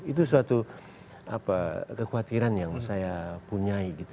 itu suatu kekhawatiran yang saya punya gitu